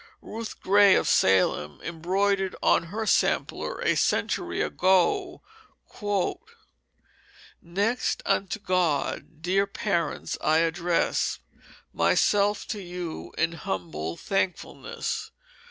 Ruth Gray of Salem embroidered on her sampler a century ago: "Next unto God, dear Parents, I address Myself to you in humble Thankfulness.